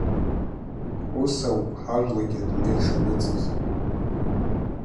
Ус ауп ҳажәлагьы адунеи ишаныҵыз.